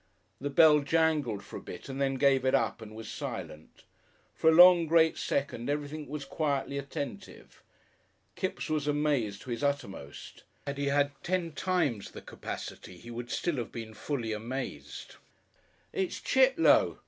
The bell jangled for a bit and then gave it up and was silent. For a long, great second everything was quietly attentive. Kipps was amazed to his uttermost; had he had ten times the capacity he would still have been fully amazed. "It's Chit'low!"